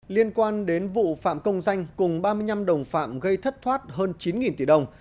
liên quan đến vụ phạm công danh cùng ba mươi năm đồng phạm gây thất thoát hơn chín tỷ đồng